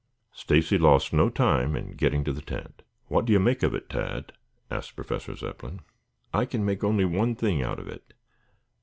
Stacy lost no time in getting to the tent. "What do you make of it, Tad?" asked Professor Zepplin. "I can make only one thing out of it.